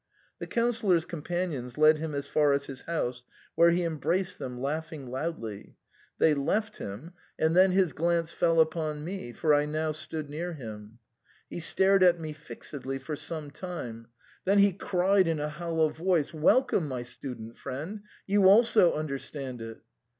The Councillor's com panions led him as far as his house, where he embraced them, laughing loudly. They left him ; and then his 1 8 THE CREMONA VIOLIN. glance fell upon me, for I now stood near him. He stared at me fixedly for some time ; then he cried in a hollow voice, " Welcome, my student friend ! you also understand it